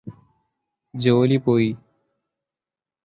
ജോലി പോയി